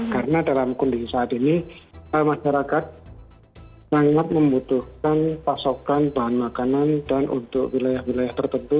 karena dalam kondisi saat ini masyarakat sangat membutuhkan pasokan bahan makanan dan untuk wilayah wilayah tertentu